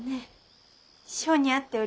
性に合っております。